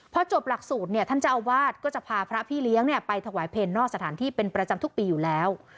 พอจบหลักสูตรเนี่ยท่านเจ้าอาวาสก็จะพาพระพี่เลี้ยงไปถวายเพลงนอกสถานที่เป็นประจำทุกปีอยู่แล้ว